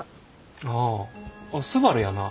あああっすばるやな。